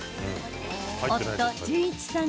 夫、順一さん